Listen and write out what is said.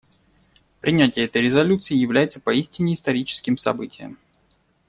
Принятие этой резолюции является поистине историческим событием.